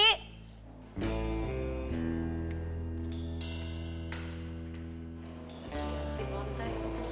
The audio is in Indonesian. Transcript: masih keram airport tee